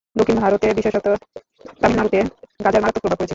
দক্ষিণ ভারতে, বিশেষত তামিলনাড়ুতে গাজার মারাত্মক প্রভাব পড়েছিল।